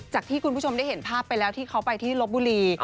ที่คุณผู้ชมได้เห็นภาพไปแล้วที่เขาไปที่ลบบุรี